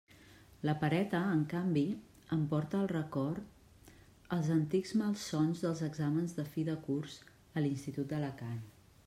La pereta, en canvi, em porta al record els antics malsons dels exàmens de fi de curs a l'institut d'Alacant.